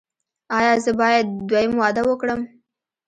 ایا زه باید دویم واده وکړم؟